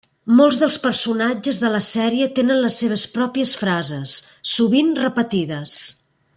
Molts dels personatges de la sèrie tenen les seves pròpies frases, sovint repetides.